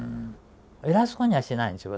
偉そうにはしていないですよ